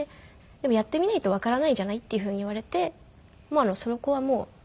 「でもやってみないとわからないじゃない？」っていうふうに言われてまあそこはもう。